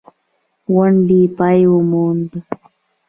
غونډې پای وموند.